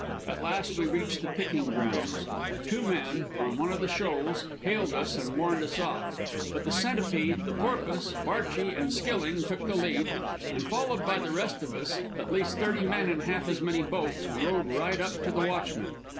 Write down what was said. At last we reached the picking grounds. Two men, on one of the shoals, hailed us and warned us off. But the Centipede, the Porpoise, Barchi, and Skilling took the lead, and followed by the rest of us, at least thirty men in half as many boats, rowed right up to the watchmen.